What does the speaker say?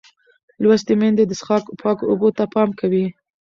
لوستې میندې د څښاک پاکو اوبو ته پام کوي.